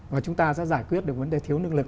và chúng ta sẽ giải quyết được vấn đề thiếu năng lực